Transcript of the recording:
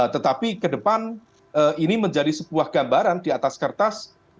tetapi ke depan ini menjadi sebuah gambaran di atas kertas